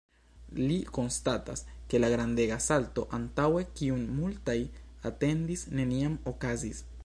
Li konstatas, ke la grandega salto antaŭen, kiun multaj atendis, neniam okazis.